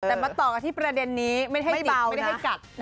แต่มาต่อกันที่ประเด็นนี้ไม่ให้จับไม่ได้ให้กัด